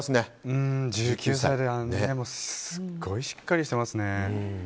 １９歳ですごいしっかりしてますね。